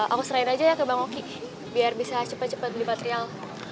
aku serahin aja ya ke bang oki biar bisa cepat cepat beli material